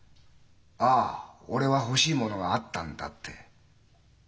ああ俺は欲しいものがあったんだって。